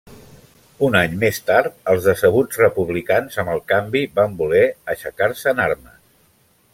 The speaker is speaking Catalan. Un any més tard, els decebuts republicans amb el canvi van voler aixecar-se en armes.